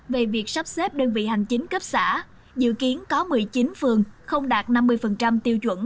về việc sắp xếp đơn vị hành chính cấp xã dự kiến có một mươi chín phường không đạt năm mươi tiêu chuẩn